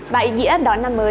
và ý nghĩa đón năm mới